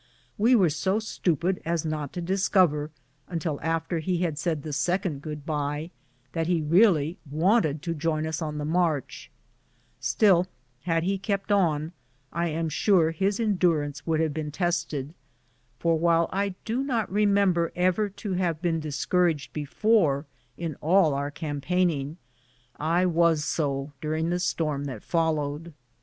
We were 80 stupid as not to discover, until after he had said the second good bye, that he really wanted to join us on the march ; still, had he kept on, I am sure his endurance would have been tested, for while I do not remember ever to have been discouraged before in all our cam paigning, I was so during the storm that followed.